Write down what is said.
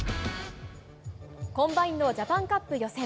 コンバインドジャパンカップ予選。